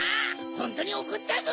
ホントにおこったぞ！